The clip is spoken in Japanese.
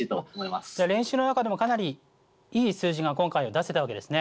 じゃあ練習の中でもかなりいい数字が今回出せたわけですね？